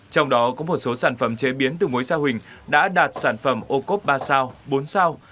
trong đó có một số sản phẩm chế biến từ mối sa huỳnh đã đạt sản phẩm ô cốp ba sao bốn sao